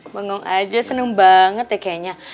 bingung aja seneng banget ya kayaknya